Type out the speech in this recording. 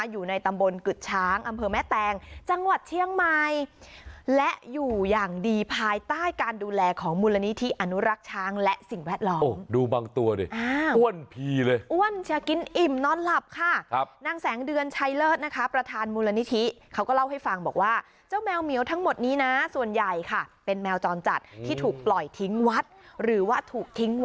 อยู่ในตำบลกึดช้างอำเภอแม่แตงจังหวัดเชียงใหม่และอยู่อย่างดีภายใต้การดูแลของมูลนิธิอนุรักษ์ช้างและสิ่งแวดล้อมดูบางตัวดิอ้วนพีเลยอ้วนจะกินอิ่มนอนหลับค่ะครับนางแสงเดือนชัยเลิศนะคะประธานมูลนิธิเขาก็เล่าให้ฟังบอกว่าเจ้าแมวเหมียวทั้งหมดนี้นะส่วนใหญ่ค่ะเป็นแมวจรจัดที่ถูกปล่อยทิ้งวัดหรือว่าถูกทิ้ง